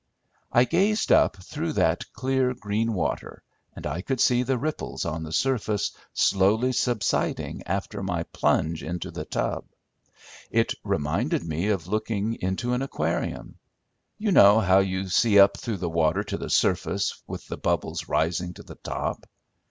I gazed up through that clear green water, and I could see the ripples on the surface slowly subsiding after my plunge into the tub. It reminded me of looking into an aquarium. You know how you see up through the water to the surface with the bubbles rising to the top.